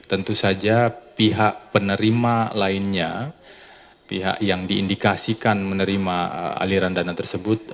tentu saja pihak penerima lainnya pihak yang diindikasikan menerima aliran dana tersebut